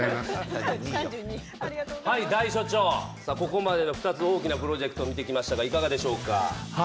大所長、ここまで２つの大きなプロジェクトを見てきましたがいかがでしょうか。